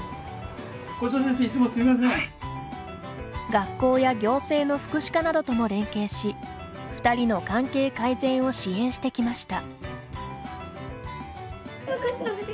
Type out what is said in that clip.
学校や行政の福祉課などとも連携し二人の関係改善を支援してきました。